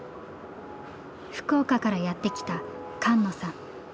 福岡からやって来た菅野さん。